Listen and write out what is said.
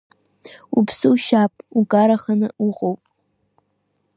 Уԥсы ушьап, укараханы уҟоуп.